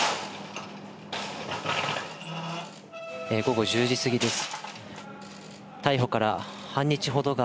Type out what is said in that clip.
午後１０時過ぎです。